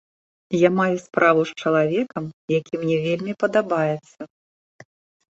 Я маю справу з чалавекам, які мне вельмі падабаецца.